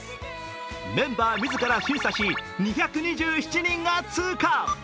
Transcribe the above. メンバー自ら審査し、２２７人が通過。